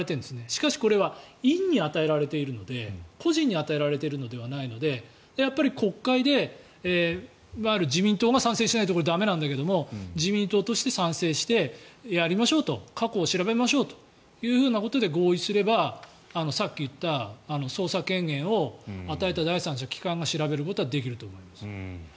しかしこれは院に与えられているので個人に与えられているのではないのでやっぱり国会で自民党が賛成しないと駄目なんだけど自民党として賛成してやりましょうと過去を調べましょうということで合意すればさっき言った捜査権限を与えた第三者機関が調べることはできると思います。